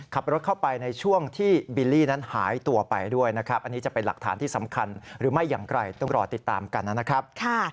ขับรถเข้าไปในช่วงที่บิลลี่นั้นหายตัวไปด้วยนะครับ